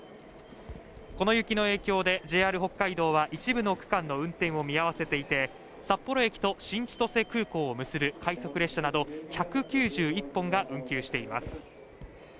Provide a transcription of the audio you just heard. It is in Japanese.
この雪の影響でＪＲ北海道は一部の区間の運転を見合わせていて札幌駅と新千歳空港を結ぶ快速列車など１９１本が運休しています